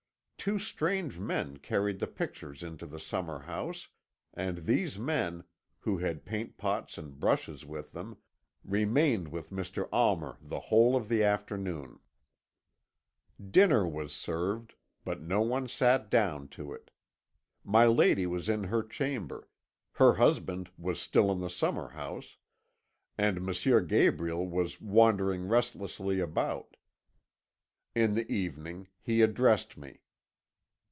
Two strange men carried the pictures into the summer house, and these men, who had paint pots and brushes with them, remained with Mr. Almer the whole of the afternoon. "Dinner was served, but no one sat down to it. My lady was in her chamber, her husband was still in the summer house, and M. Gabriel was wandering restlessly about. In the evening he addressed me.